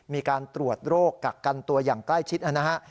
มีการตรวจโรคกักกันตัวอย่างใกล้ชิดนะฮะ